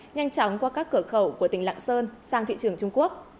nhanh chóng qua các cửa khẩu của tỉnh lạng sơn sang thị trường trung quốc